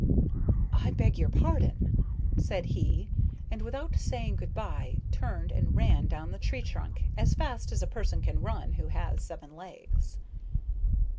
"I beg your pardon," said he, and without saying good by turned and ran down the tree trunk as fast as a person can run who has seven legs.